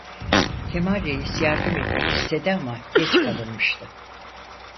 Kemal Reis yardım etmek istedi ama geç kalınmıştı.